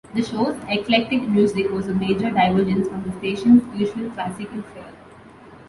The show's eclectic music was a major divergence from the station's usual classical fare.